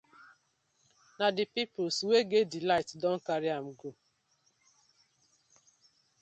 Na di pipus wey get di light don karry am go.